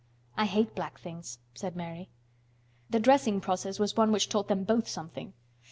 "I hate black things," said Mary. The dressing process was one which taught them both something.